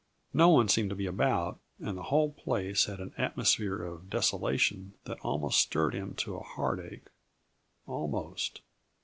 No one seemed to be about, and the whole place had an atmosphere of desolation that almost stirred him to a heartache almost.